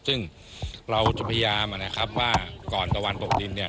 ซึ่งร้าวจะพยายามว่าก่อนตะวันกรบดินเนี่ย